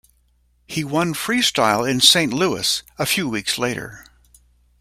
He won freestyle in Saint Louis a few weeks later.